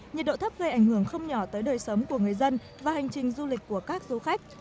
nhiệt độ thấp gây ảnh hưởng không nhỏ tới đời sống của người dân và hành trình du lịch của các du khách